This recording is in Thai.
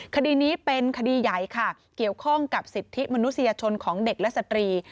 คดีนี้เป็นคดีใหญ่ค่ะเกี่ยวข้องกับสิทธิมนุษยชนของเด็กและสตรี